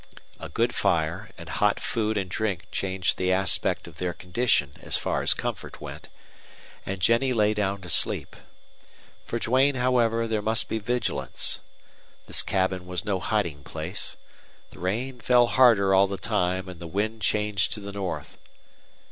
A good fire and hot food and drink changed the aspect of their condition as far as comfort went. And Jennie lay down to sleep. For Duane, however, there must be vigilance. This cabin was no hiding place. The rain fell harder all the time, and the wind changed to the north.